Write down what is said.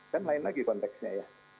kan lain lagi konteksnya ya